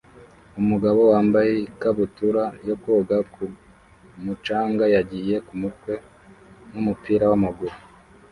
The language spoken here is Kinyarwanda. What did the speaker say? Umugabo wambaye ikabutura yo koga ku mucanga yagiye kumutwe numupira wamaguru